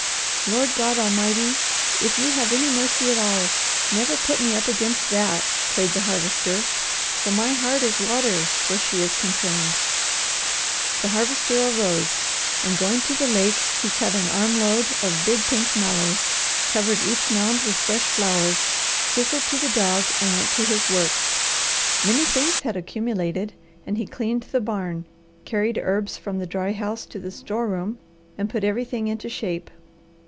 Lord God Almighty, if you have any mercy at all, never put me up against that," prayed the Harvester, "for my heart is water where she is concerned." The Harvester arose, and going to the lake, he cut an arm load of big, pink mallows, covered each mound with fresh flowers, whistled to the dog, and went to his work. Many things had accumulated, and he cleaned the barn, carried herbs from the dry house to the store room, and put everything into shape.